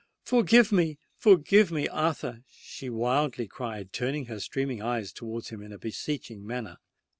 "Forgive me—forgive me, Arthur!" she wildly cried, turning her streaming eyes towards him in a beseeching manner.